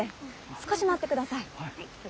少し待ってください。